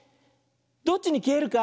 どっちにきえるか？